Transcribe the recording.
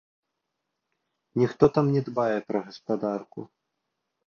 Ніхто там не дбае пра гаспадарку.